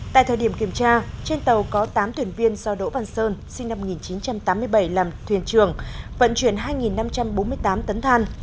tại thời điểm kiểm tra trên tàu có tám thuyền viên do đỗ văn sơn sinh năm một nghìn chín trăm tám mươi bảy làm thuyền trường vận chuyển hai năm trăm bốn mươi tám tấn than